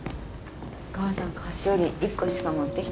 お母さん菓子折り１個しか持ってきてないからね。